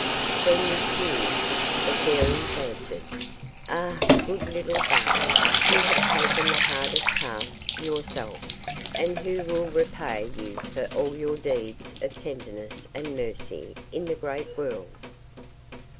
Then, with tears, the Fairies answered, "Ah, good little Bud, you have taken the hardest task yourself, and who will repay you for all your deeds of tenderness and mercy in the great world?